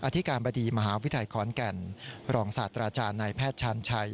อธิการบดีมหาวิทยาลัยขอนแก่นรองศาสตราจารย์นายแพทย์ชาญชัย